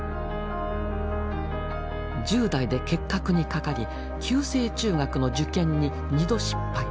１０代で結核にかかり旧制中学の受験に２度失敗。